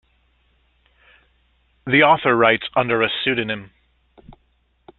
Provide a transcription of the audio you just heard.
The author writes under a pseudonym.